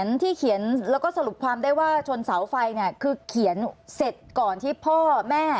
เราก็ได้สรุปความได้ว่าสวนเสาไฟคือเขียนเสร็จก่อนที่พ่อแม่